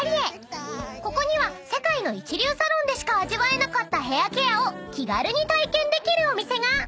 ［ここには世界の一流サロンでしか味わえなかったヘアケアを気軽に体験できるお店が］